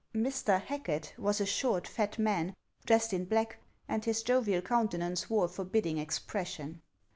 " Mr. Hacket " was a short, fat man, dressed in black, and his jovial countenance wore a forbidding expression.